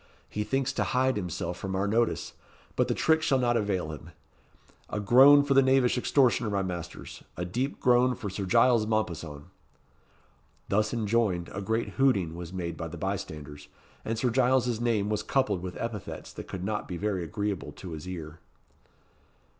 He thinks to hide himself from our notice; but the trick shall not avail him. A groan for the knavish extortioner, my masters a deep groan for Sir Giles Mompesson!" Thus enjoined, a great hooting was made by the bystanders, and Sir Giles's name was coupled with epithets that could not be very agreeable to his ear.